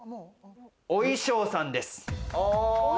お衣装さんです。